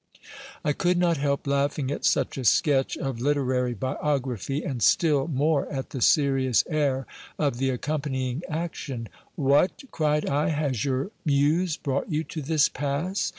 I could not help laughing at such a sketch of literary biography ; and still more at the serious air of the accompanying action. What ! cried I, has your muse brought you to this pass?